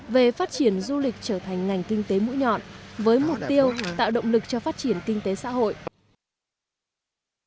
về phát triển du lịch trở thành ngành kinh tế mũi nhọn với mục tiêu tạo động lực cho phát triển kinh tế xã hội